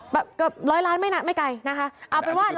แบบเกือบ๑๐๐ล้านไม่ไกลนะคะ